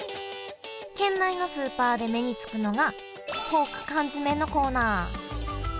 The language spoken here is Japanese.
県内のスーパーで目に付くのがポーク缶詰のコーナー。